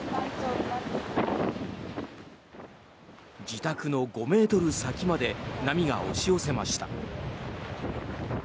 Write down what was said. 自宅の５ｍ先まで波が押し寄せました。